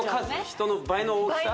人の倍の大きさ？